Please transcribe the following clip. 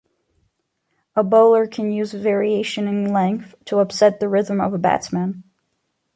A bowler can use variation in length to upset the rhythm of a batsman.